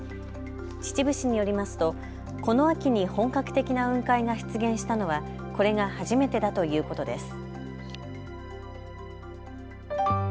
秩父市によりますと、この秋に本格的な雲海が出現したのはこれが初めてだということです。